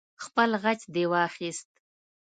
خپل غچ دې واخست.